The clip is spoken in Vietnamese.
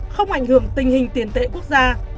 không ảnh hưởng tình hình tiền tệ quốc gia